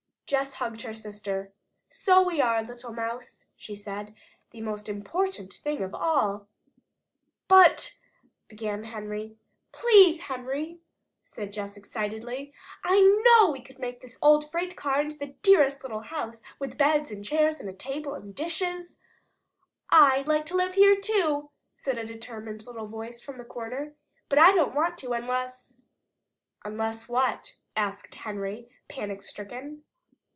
Jess hugged her sister. "So we are, little mouse," she said "the most important thing of all." "But " began Henry. "Please, Henry," said Jess excitedly. "I could make this old freight car into the dearest little house, with beds, and chairs, and a table and dishes " "I'd like to live here, too," said a determined little voice from the corner, "but I don't want to, unless " "Unless what?" asked Henry, panic stricken.